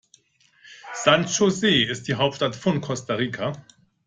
San José ist die Hauptstadt von Costa Rica.